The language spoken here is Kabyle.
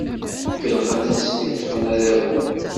Kellxen asmi ṭṭfen adabu.